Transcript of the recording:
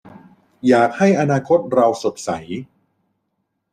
อยากให้อนาคตเราสดใส